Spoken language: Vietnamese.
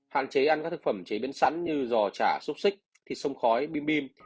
hạn chế ăn các thực phẩm chế biến sẵn như giò chả xúc xích thịt sông khói bim bim